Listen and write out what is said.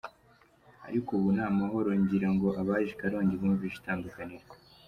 Ariko ubu ni amahoro ngira ngo abaje i Karongi bumvishe itandukaniro”.